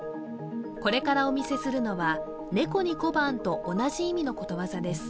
これからお見せするのは猫に小判と同じ意味のことわざです